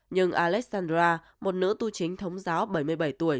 nhưng alexandra một nữ tu chính thống giáo bảy mươi bảy tuổi